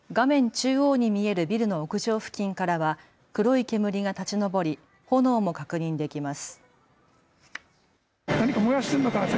中央に見えるビルの屋上付近からは黒い煙が立ち上り炎も確認できます。